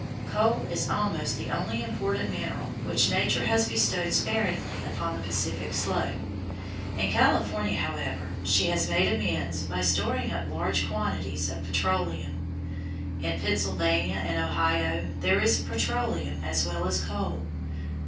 Coal is almost the only important mineral which Nature has bestowed sparingly upon the Pacific slope. In California, however, she has made amends by storing up large quantities of petroleum. In Pennsylvania and Ohio there is petroleum as well as coal.